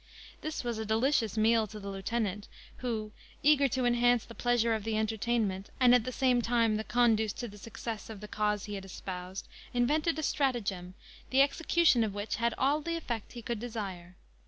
This was a delicious meal to the lieutenant, who, eager to enhance the pleasure of the entertainment, and at the same the conduce to the success of the cause he had espoused, invented a stratagem, the execution of which had all the effect he could desire.